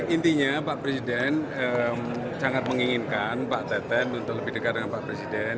intinya pak presiden sangat menginginkan pak teten untuk lebih dekat dengan pak presiden